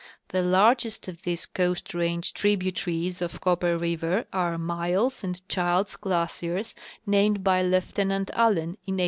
The largest of these Coast range tributaries of Copper river are Miles and Childs glaciers, named by Lieu tenant Allen in 1885.